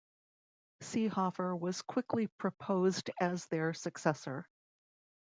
Seehofer was quickly proposed as their successor.